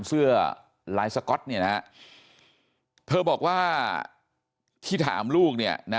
เสื้อลายสก๊อตเนี่ยนะฮะเธอบอกว่าที่ถามลูกเนี่ยนะ